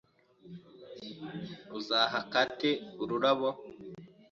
Uzaha Kate ururabo?